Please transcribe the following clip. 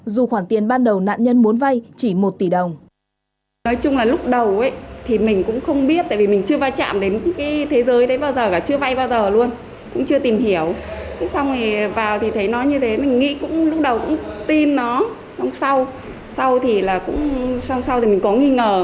dù khoản tiền ban đầu nạn nhân muốn vay chỉ một tỷ đồng